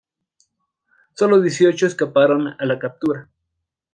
Sólo dieciocho escaparon a la captura.